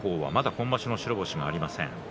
今場所の白星がまだありません。